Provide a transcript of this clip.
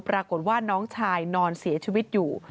ปรากฏว่าน้องชายนอนเสียชีวิตอยู่